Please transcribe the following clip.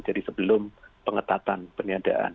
jadi sebelum pengetatan penyadaan